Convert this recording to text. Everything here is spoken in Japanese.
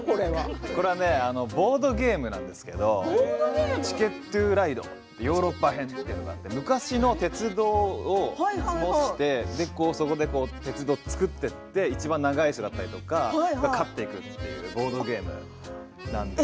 これはボードゲームなんですけどチケット・トゥ・ライドヨーロッパ編というのがあって昔の鉄道を模して高速で鉄道を作っていっていちばん長い人が勝っていくというボードゲームなんです。